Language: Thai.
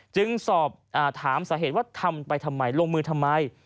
จึงสอบถามสาเหตุว่าทำไปทำไมลงมือทำไม